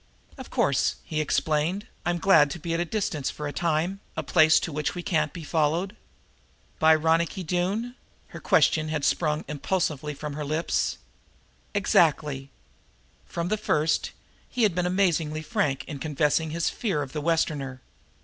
"Of course," he explained, "I'm glad to be at a distance for a time a place to which we can't be followed." "By Ronicky Doone?" Her question had sprung impulsively to her lips. "Exactly." From the first he had been amazingly frank in confessing his fear of the Westerner.